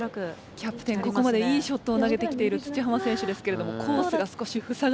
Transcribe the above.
キャプテンここまでいいショットを投げてきている土濱選手ですけれどもコースが少しふさがれているという。